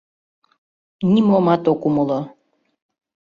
Нимомат ок умыло...